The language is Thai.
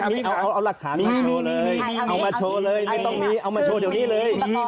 เพื่อเอารักฐานช่วยมาโชว์เลย